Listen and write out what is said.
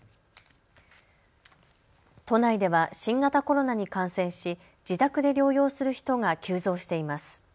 都内では新型コロナに感染し自宅で療養する人が急増しています。